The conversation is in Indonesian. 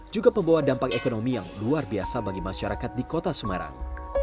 juga membawa dampak ekonomi yang luar biasa bagi masyarakat di kota semarang